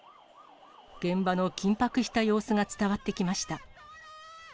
現場の緊迫した様子が伝わってきました。